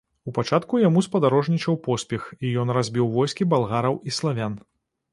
У пачатку яму спадарожнічаў поспех і ён разбіў войскі балгараў і славян.